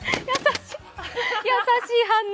優しい反応。